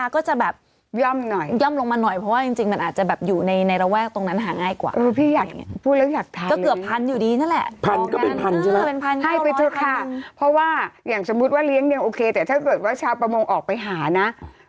ของละเจ้าของอันนี้จ้าของนะ